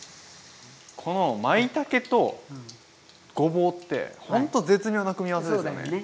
このまいたけとごぼうってほんと絶妙な組み合わせですよね。